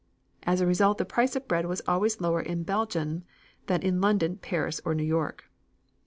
As a result the price of bread was always lower in Belgium than in London, Paris or New York.